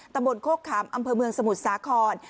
ตำบลโคกขามอำเภอเมืองสมุทรสาคร